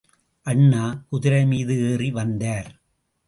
அண்ணா குதிரை மீது ஏறி வந்தார்.